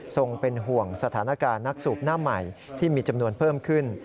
ส่งเป็นห่วงสถานการณ์นักสูบหน้าใหม่ที่มีจำนวนเพิ่มขึ้น